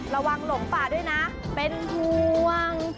ระวังหลงป่าด้วยนะเป็นห่วง